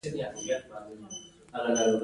تر څو مو په بدن کې ساه وي کار وکړئ